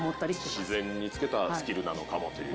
自然につけたスキルなのかもという。